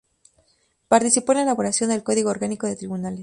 Participó en la elaboración del Código Orgánico de Tribunales.